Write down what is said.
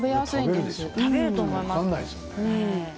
これ、分からないですよね。